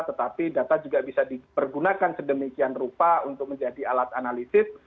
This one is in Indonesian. tetapi data juga bisa dipergunakan sedemikian rupa untuk menjadi alat analisis